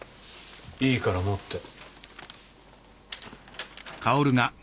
いいから持って。